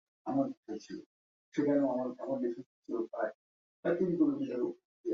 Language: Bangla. বলিয়া অত্যন্ত আবেগের সহিত ধ্রুবকে চাপিয়া ধরিলেন।